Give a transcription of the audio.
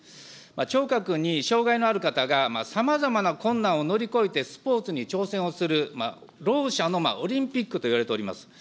聴覚に障害のある方がさまざまな困難を乗り越えてスポーツに挑戦をする、ろう者のオリンピックといわれております。